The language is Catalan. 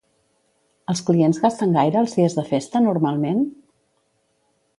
Els clients gasten gaire els dies de festa normalment?